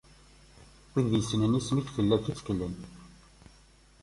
Wid yessnen isem-ik, fell-ak i ttkalen.